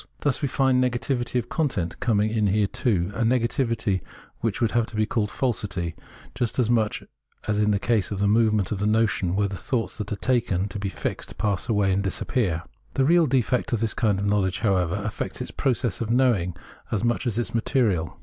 Thus we find negativity of content coming in here too, a nega tivity which would have to be called falsity, just as much as in the case of the movement of the notion where thoughts that are taken to be fixed pass away and disappear. The real defect of this kind of knowledge, however, affects its process of knowing as much as its material.